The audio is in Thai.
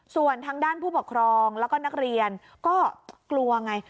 ส่วนทางด้านผู้ปกครองแล้วก็นักเรียนก็กลัวไง